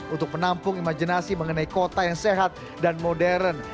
untuk menampung imajinasi mengenai kota yang sehat dan modern